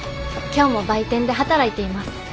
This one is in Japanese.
今日も売店で働いています。